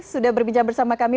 sudah berbincang bersama kami